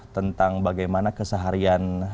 tentang bagaimana keseharian